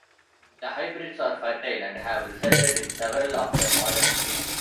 The hybrids are fertile and have resulted in several of the modern breeds.